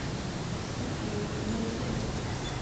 — Уке, мом тый.